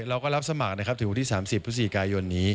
เราก็รับสมัครนะครับถึงวันที่๓๐พฤศจิกายนนี้